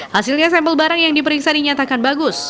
hasilnya sampel barang yang diperiksa dinyatakan bagus